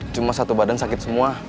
cuma satu badan sakit semua